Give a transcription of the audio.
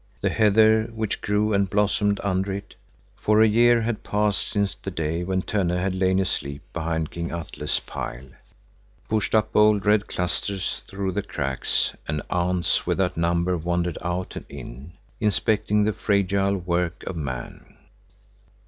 The heather, which grew and blossomed under it,—for at year had passed since the day when Tönne had lain aleep behind King Atle's pile,— pushed up bold red clusters through the cracks, and ants without number wandered out and in, inspecting the fragile work of man.